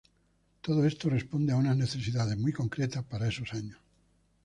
Todo esto responde a unas necesidades muy concretas para esos años.